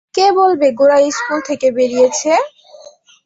কে বলবে গোরা ইস্কুল থেকে বেরিয়েছে!